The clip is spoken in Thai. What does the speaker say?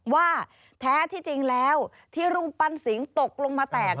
ว่าแท้ที่จริงแล้วที่รูปปั้นสิงตกลงมาแตก